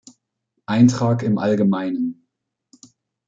Eintrag im allg.